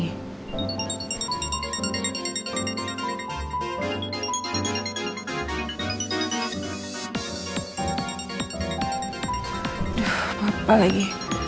aduh papa lagi